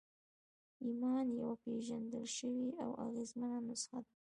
ایمان یوه پېژندل شوې او اغېزمنه نسخه ده